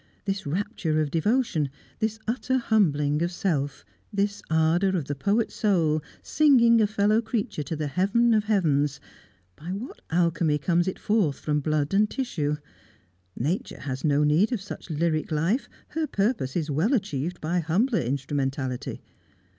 This rapture of devotion, this utter humbling of self, this ardour of the poet soul singing a fellow creature to the heaven of heavens by what alchemy comes it forth from blood and tissue? Nature has no need of such lyric life her purpose is well achieved by humbler instrumentality.